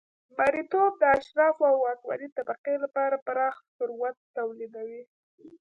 مریتوب د اشرافو او واکمنې طبقې لپاره پراخ ثروت تولیدوي